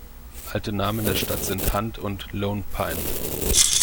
Alte Namen der Stadt sind "Hunt" und "Lone Pine".